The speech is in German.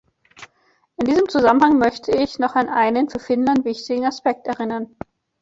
In diesem Zusammenhang möchte ich noch an einen für Finnland wichtigen Aspekt erinnern.